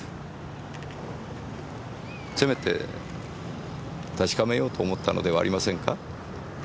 せめて確かめようと思ったのではありませんか？